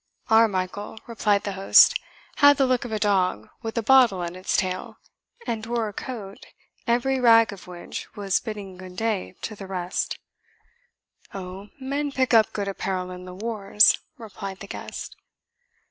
"Our Michael," replied the host, "had the look of a dog with a bottle at its tail, and wore a coat, every rag of which was bidding good day to the rest." "Oh, men pick up good apparel in the wars," replied the guest.